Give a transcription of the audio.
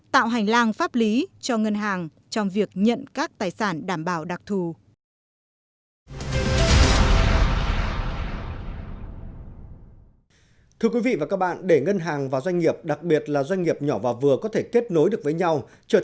tạo hành lang pháp lý cho ngân hàng trong việc nhận các tài sản đảm bảo đặc thù